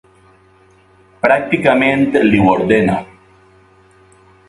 Pràcticament li ho ordena.